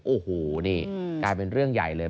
โอ้โหนี่กลายเป็นเรื่องใหญ่เลย